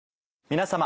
皆様。